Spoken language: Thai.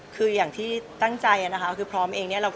คือต้องพร้อมเอง